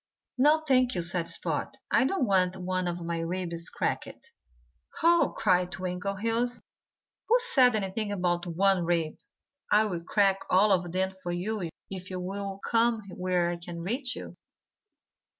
"No, thank you!" said Spot. "I don't want one of my ribs cracked." "Ho!" cried Twinkleheels. "Who said anything about one rib? I'll crack all of them for you if you'll come where I can reach you."